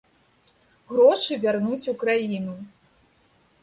Грошы вярнуць у краіну.